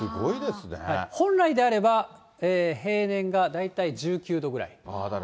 本来であれば、平年が大体１９度くらい。